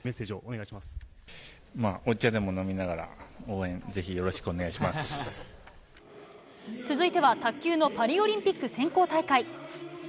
まあ、お茶でも飲みながら、続いては、卓球のパリオリンピック選考大会。